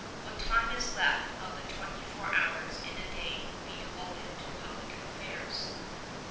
What time is left of the twenty four hours in a day will be devoted to public affairs.